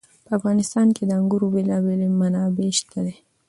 په افغانستان کې د انګورو بېلابېلې منابع شته دي.